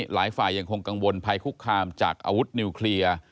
หลายฝ่ายยังคงกังวลภัยคุกคามจากอาวุธนิวเคลียร์